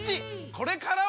これからは！